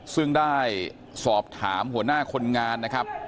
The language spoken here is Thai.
ซึ่งได้สอบถามหัวหน้าคนงานนะครับ